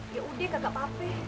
yaudah kagak pape